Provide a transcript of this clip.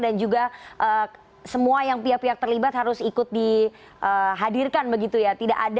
dan juga semua yang pihak pihak terlibat harus ikut dihadirkan begitu ya